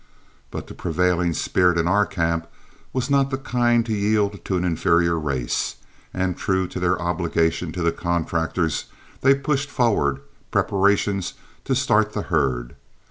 But the prevailing spirits in our camp were not the kind to yield to an inferior race, and, true to their obligation to the contractors, they pushed forward preparations to start the herd.